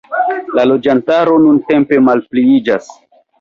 La loĝantaro nuntempe malpliiĝas.